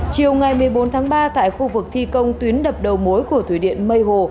chiều ngày một mươi bốn tháng ba tại khu vực thi công tuyến đập đầu mối của thủy điện mây hồ